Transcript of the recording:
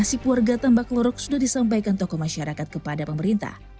masih keluarga tambak lorok sudah disampaikan tokoh masyarakat kepada pemerintah